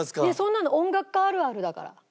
いやそんなの音楽家あるあるだから。